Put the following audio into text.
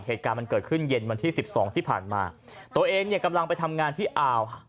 เหตุการณ์มันเกิดขึ้นเย็นวันที่สิบสองที่ผ่านมาตัวเองเนี่ยกำลังไปทำงานที่อ่าว